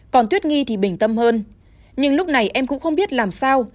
còn tuyết nghi thì bình tâm hơn nhưng lúc này em cũng không biết làm sao